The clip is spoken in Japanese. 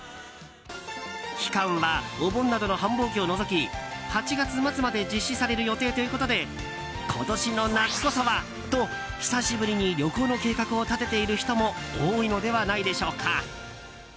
期間は、お盆などの繁忙期を除き８月末まで実施される予定ということで今年の夏こそはと久しぶりに旅行の計画を立てている人も多いのではないでしょうか。